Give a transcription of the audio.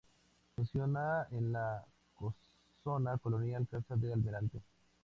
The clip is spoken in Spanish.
Funciona en la casona colonial Casa del Almirante.